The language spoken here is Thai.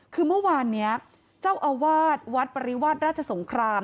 คือเมื่อวานนี้เจ้าอาวาสวัดปริวาสราชสงคราม